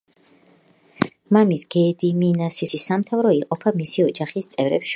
მამის, გედიმინასის გარდაცვალების შემდეგ მისი სამთავრო იყოფა მისი ოჯახის წევრებს შორის.